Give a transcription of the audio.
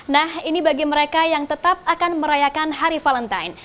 nah ini bagi mereka yang tetap akan merayakan hari valentine